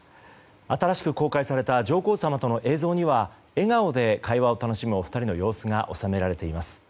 新しく公開された上皇さまとの映像には笑顔で会話を楽しむお二人の様子が収められています。